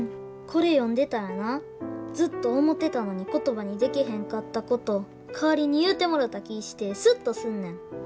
これ読んでたらなずっと思てたのに言葉にでけへんかったこと代わりに言うてもろた気ぃしてスッとすんねん。